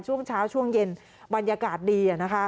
ช่วงเช้าช่วงเย็นบรรยากาศดี